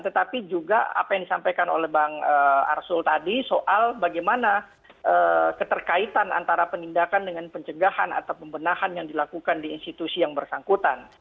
tetapi juga apa yang disampaikan oleh bang arsul tadi soal bagaimana keterkaitan antara penindakan dengan pencegahan atau pembenahan yang dilakukan di institusi yang bersangkutan